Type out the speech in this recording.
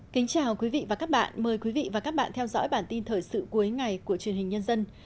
chào mừng quý vị đến với bản tin thời sự cuối ngày của truyền hình nhân dân